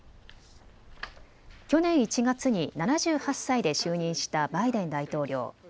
去年１月に７８歳で就任したバイデン大統領。